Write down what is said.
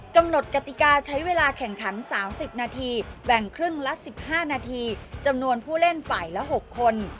กติกาใช้เวลาแข่งขัน๓๐นาทีแบ่งครึ่งละ๑๕นาทีจำนวนผู้เล่นฝ่ายละ๖คน